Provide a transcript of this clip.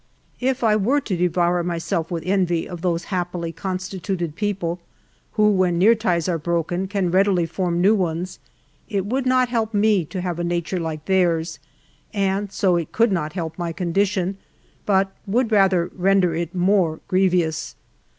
If I were to devour myself with envy of those happily constituted people who, when near ties are broken, can readily form new ones, it would not help me to have a nature like theirs, and so it could not help my condition, but would rather render it more grievous.